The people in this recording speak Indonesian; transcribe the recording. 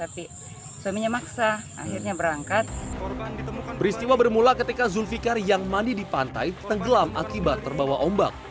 peristiwa bermula ketika zulfikar yang mandi di pantai tenggelam akibat terbawa ombak